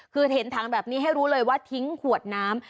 คือเห็นถังแบบนี้ให้รู้เลยว่าทิ้งขวดน้ำ